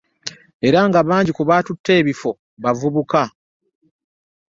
Era nga bangi ku baatutte ebifo, bavubuka.